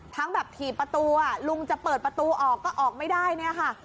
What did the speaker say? ทั้งแบบถีบประตูลุงจะเปิดประตูออกก็ออกไม่ได้เนี่ยค่ะ